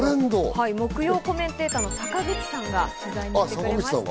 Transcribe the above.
木曜コメンテーターの坂口さんが取材に行ってくれました。